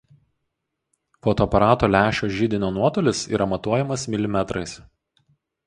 Fotoaparato lęšio židinio nuotolis yra matuojamas milimetrais.